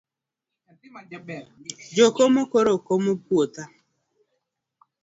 Jo komo koro komo putha.